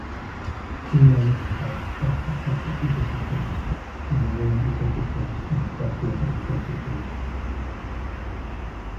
The two main types of aquatic ecosystems are marine ecosystems and freshwater ecosystems.